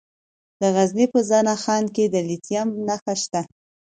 د غزني په زنه خان کې د لیتیم نښې شته.